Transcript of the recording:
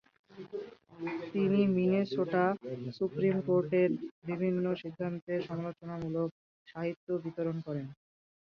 তিনি Minnesota supreme কোর্টের বিভিন্ন সিদ্ধান্তের সমালোচনামূলক সাহিত্য বিতরণ করেন।